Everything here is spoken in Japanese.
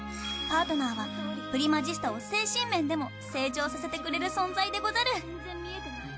パートナーはプリマジスタを精神面でも成長させてくれる存在でござる。